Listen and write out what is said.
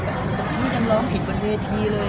ข้อมูลทำให้ยังร้องผิดบนวีธีเลย